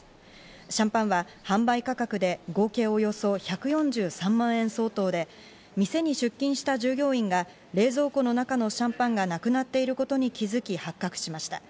シャンパンは販売価格で合計およそ１４３万円相当で、店に出勤した従業員が冷蔵庫の中のシャンパンがなくなっていることに気づき発覚しました。